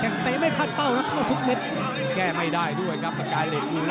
แต่พริกมีนทางซ้ายของกาหณิดาอยู่ไหนฮะ